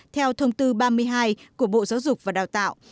theo thông tư ba mươi hai của bộ giáo dục và đào tạo